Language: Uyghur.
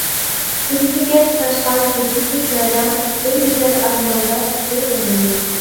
سۈبھىگە تۇتاشقان سۈپسۈزۈك ۋەدەڭ، بىر گۈزەل ئارماندا تۇتتى قولۇمنى.